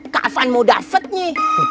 kapan mau dapatnya